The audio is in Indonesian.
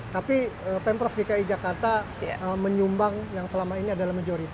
tapi pemprov dki jakarta menyumbang yang selama ini adalah majority